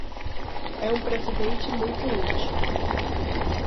É um precedente muito útil.